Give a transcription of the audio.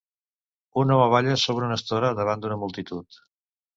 Un home balla sobre una estora davant d'una multitud.